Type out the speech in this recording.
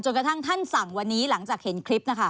กระทั่งท่านสั่งวันนี้หลังจากเห็นคลิปนะคะ